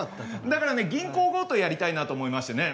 だからね銀行強盗やりたいなと思いましてね。